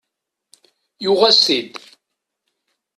Yuɣ-as-t-id.